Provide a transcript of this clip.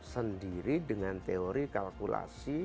sendiri dengan teori kalkulasi